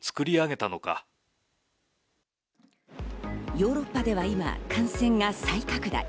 ヨーロッパでは今、感染が再拡大。